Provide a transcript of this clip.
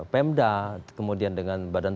pemda kemudian dengan